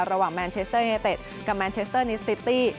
ระหว่างแมนเชสเตอร์เฮเทศกับแมนเชสเตอร์นิสต์ซิตี้